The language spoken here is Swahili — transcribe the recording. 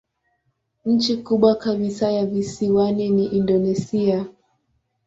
Nchi kubwa kabisa ya visiwani ni Indonesia.